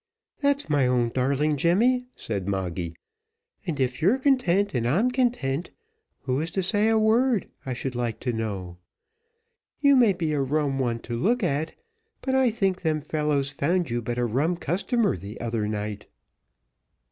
"That's my own darling Jemmy," said Moggy, "and if you're content, and I'm content, who is to say a word, I should like to know? You may be a rum one to look at, but I think them fellows found you but a rum customer the other night."